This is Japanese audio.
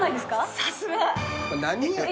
⁉さすが。